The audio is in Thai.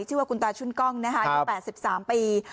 ชื่อว่าคุณตาชุนกล้องนะคะอายุ๘๓ปี